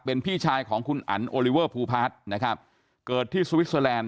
เป็นพี่ชายของคุณอันโอลิเวอร์ภูพาร์ทนะครับเกิดที่สวิสเตอร์แลนด